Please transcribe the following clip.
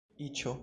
iĉo